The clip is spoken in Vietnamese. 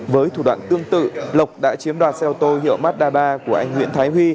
với thủ đoạn tương tự lộc đã chiếm đoạt xe ô tô hiệu mazda ba của anh nguyễn thái huy